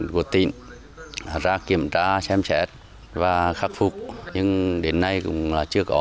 do trung tâm nước sạch và vệ sinh môi trường nông thôn